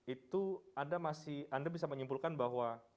itu anda masih anda bisa menyimpulkan bahwa